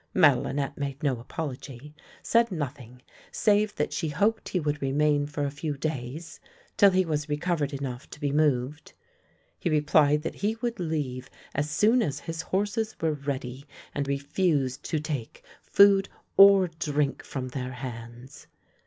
Madelinette made no apology, said nothing, save that she hoped he would remain for a few days till he was recovered enough to be moved. He replied that he would leave as soon as his horses were ready, and re fused to take food or drink from their hands.